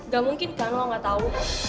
gak mungkin kan lo gak tau